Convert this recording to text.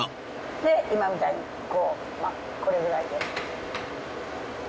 で今みたいにこれくらいで。